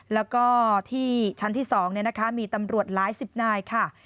แล้วก็ที่ชั้นที่๒มีตำรวจหลายสิบนายค่ะ